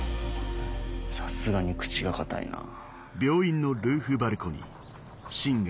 さすがに口が堅いなぁ。